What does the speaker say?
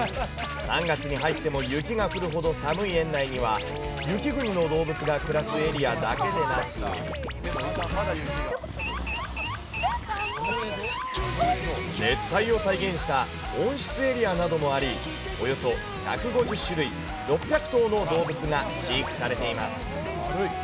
３月に入っても雪が降るほど寒い園内には、雪国の動物が暮らすエリアだけでなく、熱帯を再現した温室エリアなどもあり、およそ１５０種類６００頭の動物が飼育されています。